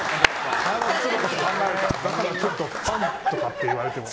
ちょっとパンとかって言われても。